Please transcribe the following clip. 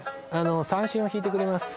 三線を弾いてくれます